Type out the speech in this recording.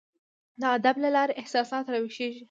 د ادب له لاري احساسات راویښیږي.